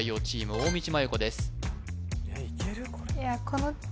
大道麻優子です